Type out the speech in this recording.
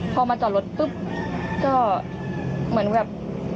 พอมาจอดรถปุ๊บก็เหมือนแบบ